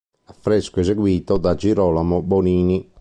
Affresco eseguito da Girolamo Bonini.